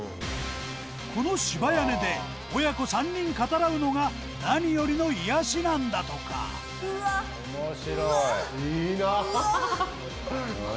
この芝屋根で親子３人語らうのが何よりの癒やしなんだとかうわうわうわ！